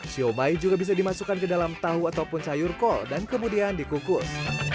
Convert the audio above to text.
siomay juga bisa dimasukkan ke dalam tahu ataupun sayur kol dan kemudian dikukus